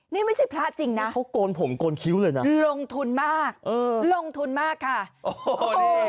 นี่ไม่ใช่พระจริงนะเขาโกนผมโกนคิ้วเลยนะลงทุนมากเออลงทุนมากค่ะโอ้โห